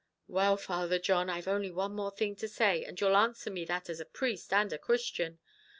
"Well, Father John, I've only one more thing to say, and you'll answer me that as a priest and a Christian.